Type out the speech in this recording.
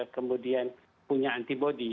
kemudian punya antibody